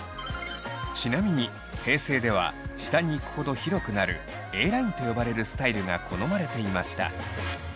ちなみに平成では下に行くほど広くなるＡラインと呼ばれるスタイルが好まれていました。